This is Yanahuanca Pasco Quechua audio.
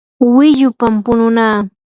wiyupam pununaa.